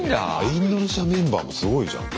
インドネシアメンバーもすごいじゃん。